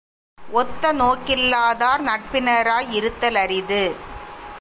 ஒத்த நோக்கில்லாதார் நட்பினராய் இருத்தல் அரிது.